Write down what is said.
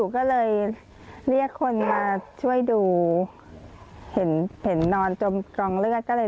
ก็เรียกรถไปลงพยาบาลอะค่ะ